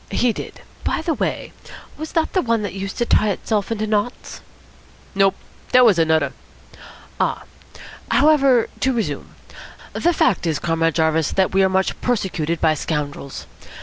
"He did. By the way, was that the one that used to tie itself into knots?" "Nope. Dat was anudder." "Ah! However, to resume. The fact is, Comrade Jarvis, we are much persecuted by scoundrels.